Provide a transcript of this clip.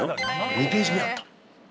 ２ページ目あった。